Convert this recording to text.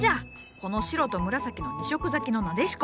この白と紫の２色咲きのナデシコ。